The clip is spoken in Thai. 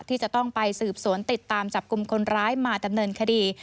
ที่จะต้องไปสืบสวนติดตามจับกลุ่มคนร้ายมาดำเนินคดี